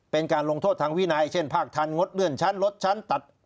เป็นการลงโทษทางวินัยเช่นภาคทันงดเลื่อนชั้นลดชั้นตัด